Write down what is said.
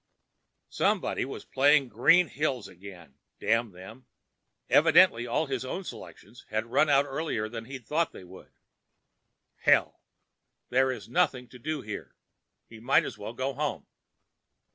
Somebody was playing Green Hills again, damn them. Evidently all of his own selections had run out earlier than he'd thought they would. Hell! There was nothing to do here. He might as well go home.